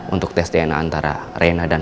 untuk tes dna antara reina dan